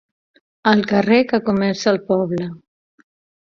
El carrer que comença el poble.